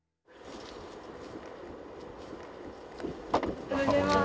おはようございます。